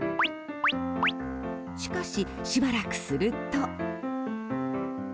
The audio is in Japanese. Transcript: しかし、しばらくすると。